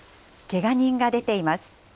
けが人が出ています。